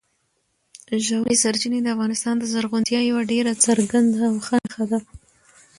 ژورې سرچینې د افغانستان د زرغونتیا یوه ډېره څرګنده او ښه نښه ده.